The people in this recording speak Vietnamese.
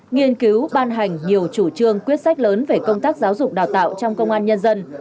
nghiên cứu ban hành nhiều chủ trương quyết sách lớn về công tác giáo dục đào tạo trong công an nhân dân